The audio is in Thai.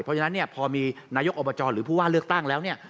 เพราะฉะนั้นเนี่ยพอมีนายกอบจหรือผู้ว่าเลือกตั้งแล้วเนี่ย